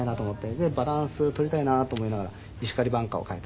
でバランスを取りたいなと思いながら『石狩挽歌』を書いた。